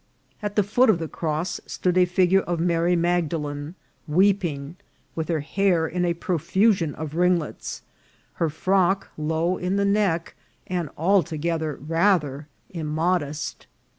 At the foot of the cross stood a figure of Mary Magdalen weeping, with her hair in a profusion of ringlets, her frock low in the neck, and altogether rather immodest.